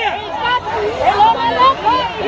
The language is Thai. เฮียเฮียเฮีย